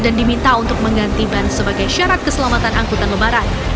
dan diminta untuk mengganti ban sebagai syarat keselamatan angkutan lebaran